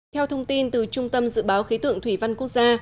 theo thông tin từ trung tâm dự báo khí tượng thủy văn quốc gia